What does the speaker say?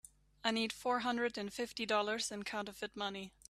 I need four hundred and fifty dollars in counterfeit money.